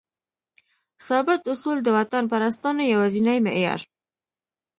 ثابت اصول؛ د وطنپرستانو یوازینی معیار